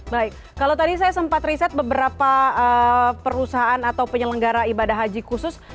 baik kalau tadi saya sempat riset beberapa perusahaan atau penyelenggara ibadah haji khusus